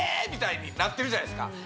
みたいになってるじゃないですか。